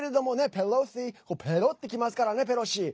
ペロシ、ペロってきますからねペロシ。